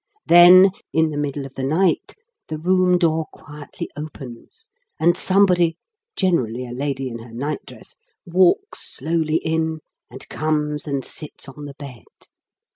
Then in the middle of the night, the room door quietly opens and somebody generally a lady in her night dress walks slowly in, and comes and sits on the bed.